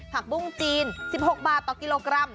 ผักบุ้งจีน๑๖บาทต่อกิโลกรัม